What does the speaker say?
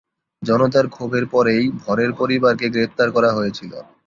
জনতার ক্ষোভের পরেই ভরের পরিবারকে গ্রেপ্তার করা হয়েছিল।